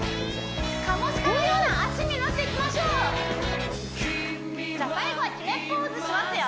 カモシカのような脚になっていきましょうじゃあ最後は決めポーズしますよ